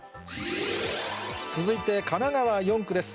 続いて神奈川４区です。